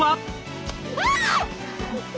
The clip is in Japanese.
あっ！